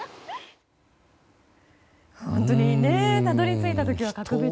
本当にたどり着いたときは格別。